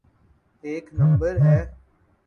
ایک نمبر ہے؟